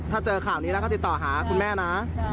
ถ้าเจอข่านี้เขาติดต่อหาคุณแม่นะ